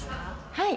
はい。